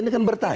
ini kan bertanya